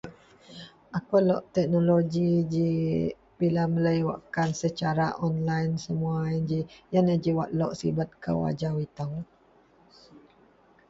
Akou lok teknoloji ji bila melei wakkan secara onlaen semua yen ji. Yenlah wak ji lok sibet kou ajau itou.